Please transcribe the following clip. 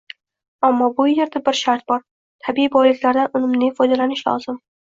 Ammo bu yerda bir shart bor – tabiiy boyliklardan unumli foydalanish lozim.